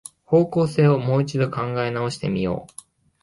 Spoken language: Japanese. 方向性をもう一度考え直してみよう